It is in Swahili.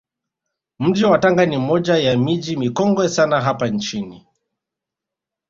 Mji wa Tanga ni moja ya miji mikongwe sana hapa nchini